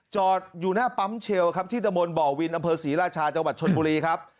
จอดอยู่หน้าปั๊มเชลครับที่ตะบนบ่อวินอำเภอศรีราชาจังหวัดชนบุรีครับ